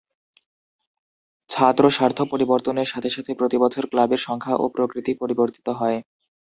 ছাত্র স্বার্থ পরিবর্তনের সাথে সাথে প্রতি বছর ক্লাবের সংখ্যা ও প্রকৃতি পরিবর্তিত হয়।